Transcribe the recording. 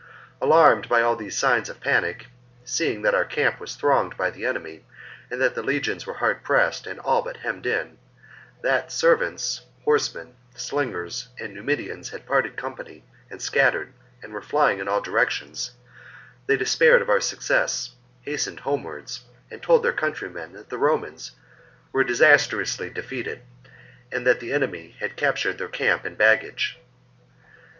Alarmed by all these signs of panic, seeing that our camp was thronged by the enemy, that the legions were hard pressed and all but hemmed in, that servants, horsemen, slingers, and Numidians had parted company and scattered and were flying in all directions, they despaired of our success, hastened homewards, and told their countrymen that the Romans were disastrously defeated, and that the enemy had captured their camp and baggage.